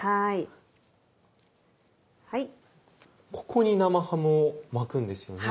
ここに生ハムを巻くんですよね。